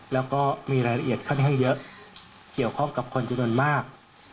แล้วก็มีรายละเอียดค่อนข้างเยอะเกี่ยวข้องกับคนจำนวนมาก